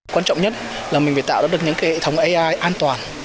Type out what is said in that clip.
quan trọng nhất là mình phải tạo ra được những hệ thống ai an toàn